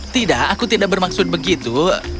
tidak aku tidak bermaksud begitu